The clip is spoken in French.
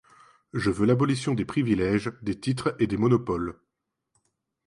Je veux l'abolition des privilèges, des titres et des monopoles.